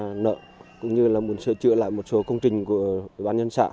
hiện nay đang nợ cũng như là muốn sửa trựa lại một số công trình của ủy ban nhân xã